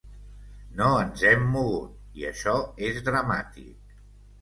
No ens hem mogut, i això és dramàtic.